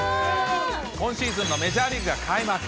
今シーズンのメジャーリーグが開幕。